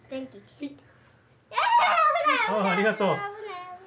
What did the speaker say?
あっありがとう。